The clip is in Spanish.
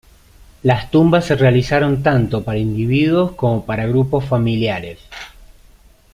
Las tumbas se realizaron tanto para individuos como para grupos familiares.